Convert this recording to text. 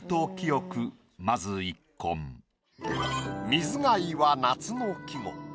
「水貝」は夏の季語。